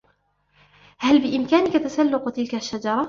هل بإمكانك تسلق تلك الشجرة ؟